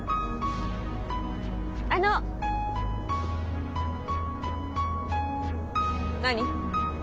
あの。何？